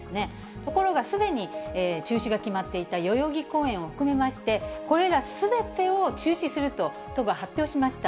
ところが、すでに中止が決まっていた代々木公園を含めまして、これらすべてを中止すると、都が発表しました。